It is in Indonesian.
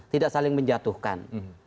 tidak saling menjatuhkan